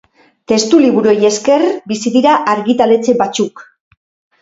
Testuliburuei esker bizi dira argitaletxe batzuk.